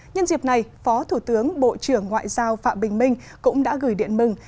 nhân dịp này phó thủ tướng bộ trưởng ngoại giao phạm bình minh cũng đã gửi điện mừng